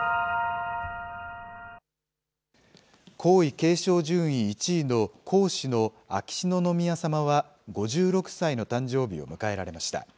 皇位継承順位１位の皇嗣の秋篠宮さまは、５６歳の誕生日を迎えられました。